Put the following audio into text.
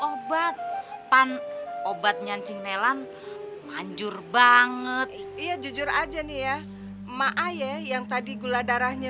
obat pan obatnya cing nelan panjur banget iya jujur aja nih ya emak ayah yang tadi gula darahnya